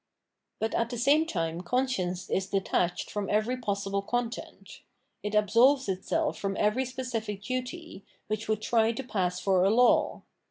But at the same time conscience is detached from every possible content. It absolves itself from every specific duty, which would try to pass for a law.